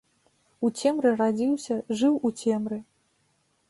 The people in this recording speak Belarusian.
У цемры радзіўся, жыў у цемры.